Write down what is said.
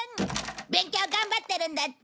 勉強頑張ってるんだって？